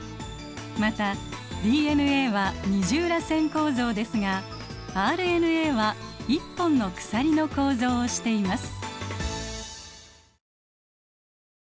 またＤＮＡは二重らせん構造ですがＲＮＡは１本の鎖の構造をしています。